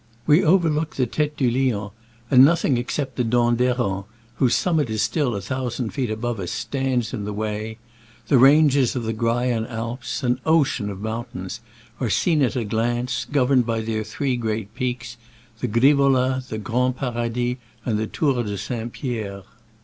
We overlook the Tete du Lion, and nothing except the Dent d'Herens, whose summit is still a thousand feet above us, stands in the way : the ranges of the Graian Alps, an ocean of moun tains, are seen at a glance, governed by their three great peaks, the Grivola, Grand Paradis and Tour de St. Pierre.